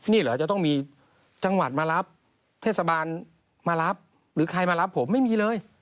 นี่เหรอจะต้องมีจังหวัดมารับเทศบาลมารับหรือใครมารับผมไม่มีเลย